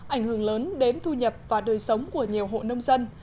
ảnh hưởng lớn đến thu nhập và đời sống của nhiều hộ nông dân